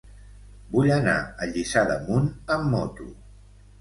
Vull anar a Lliçà d'Amunt amb moto.